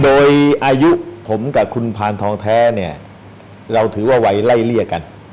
โดยอายุผมกับคุณพานทองแท้เนี่ยเราถือว่าวัยไล่เลี่ยกัน